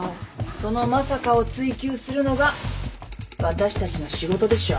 そのまさかを追及するのがわたしたちの仕事でしょ？